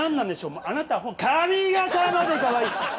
もうあなた髪形までかわいい！